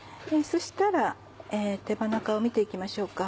そしたら手羽中を見て行きましょうか。